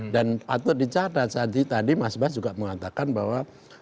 dan patut dicatat tadi mas bas juga mengatakan bahwa